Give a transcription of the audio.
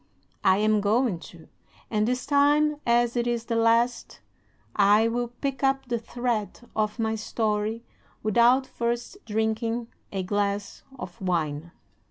"I am going to; and this time, as it is the last, I will pick up the thread of my story without first drinking a glass of wine."